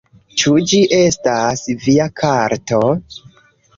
Ĉu ĝi estas via karto?